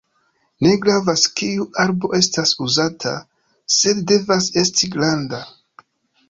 Ne gravas kiu arbo estas uzata, sed devas esti granda.